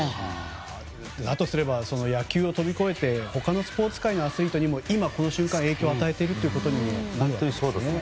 だとすれば野球を飛び越えて他のスポーツ界のアスリートにも今この瞬間影響を与えているかもしれないですね。